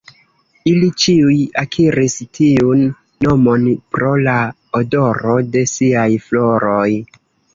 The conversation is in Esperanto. Ili ĉiuj akiris tiun nomon pro la odoro de siaj floroj.